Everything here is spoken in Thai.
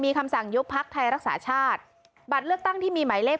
มีคำสั่งยุบพักไทยรักษาชาติบัตรเลือกตั้งที่มีหมายเลข